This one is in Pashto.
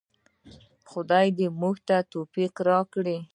خدای دې موږ ته توفیق راکړي؟